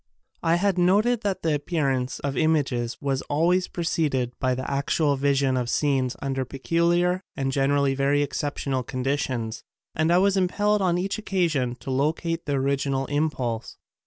I had noted that the appear ance of images was always preceded by actual vision of scenes under peculiar and generally very exceptional conditions and I was impelled on each occasion to locate the original impulse.